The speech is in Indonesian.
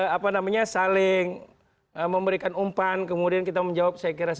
apa namanya saling memberikan umpan kemudian kita menjawab saya kira